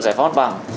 cái hỗ trợ của nhà nước